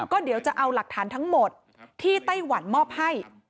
ก็เดี๋ยวจะเอาหลักฐานทั้งหมดที่ไต้หวันมอบให้